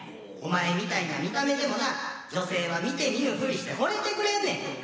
お前みたいな見た目でもな女性は見て見ぬふりしてほれてくれんねん。